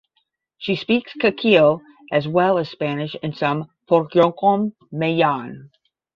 She speaks Kaqchikel as well as Spanish and some Poqomam Mayan.